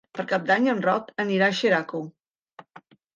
Per Cap d'Any en Roc anirà a Xeraco.